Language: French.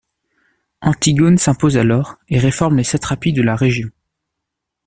Antigone s'impose alors et réforme les satrapies de la région.